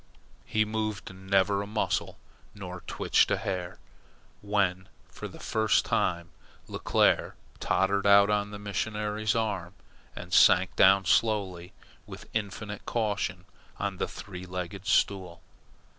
He moved never a muscle, nor twitched a hair, when, for the first time, Leclere tottered out on the missionary's arm, and sank down slowly and with infinite caution on the three legged stool.